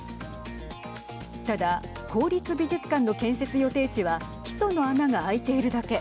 ただ、公立美術館の建設予定地は基礎の穴が空いているだけ。